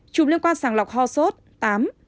ba chủng liên quan sàng lọc ho sốt tám